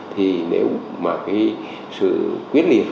thì nếu mà cái sự quyết liệt